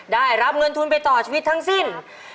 ได้รับเงินทุนไปต่อชีวิตทั้งสิ้น